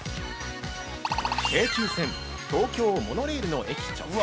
京急線、東京モノレールの駅直結。